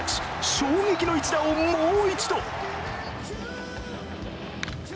衝撃の一打をもう一度。